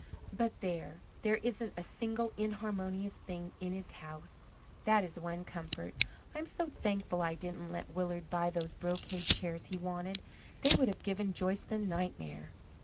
But there there isn't a single inharmonious thing in his house that is one comfort. I'm so thankful I didn't let Willard buy those brocade chairs he wanted. They would have given Joyce the nightmare."